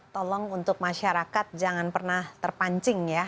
tolong untuk masyarakat jangan pernah terpancing ya